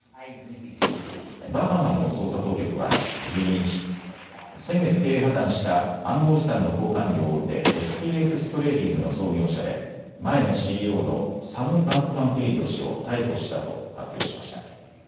バハマの捜査当局は１２日、先月、経営破綻した暗号資産の交換業大手、ＦＴＸトレーディングの創業者で前のＣＥＯのサム・バンクマンフリード氏を逮捕したと発表しました。